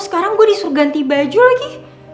sekarang gue disuruh ganti baju lagi